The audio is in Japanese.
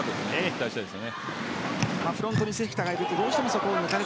期待したいです。